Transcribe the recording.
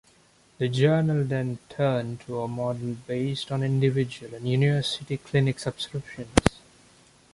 The journal then turned to a model based on individual and university clinic subscriptions.